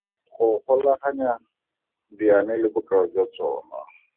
Go golaganya diane le bokao jwa tsona.